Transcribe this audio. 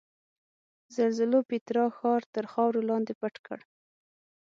زلزلو پیترا ښار تر خاورو لاندې پټ کړ.